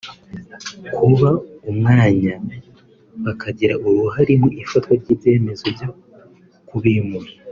kubaha umwanya bakagira uruhare mu ifatwa ry’ibyemezo byo kubimura